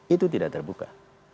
itu tidak terbuka